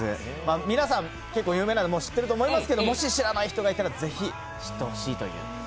皆さん、結構有名なので知っていると思いますけど、もし、知らない人がいたらぜひ知ってほしいという。